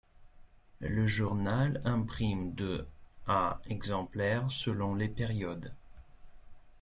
Le journal imprime de à exemplaires selon les périodes.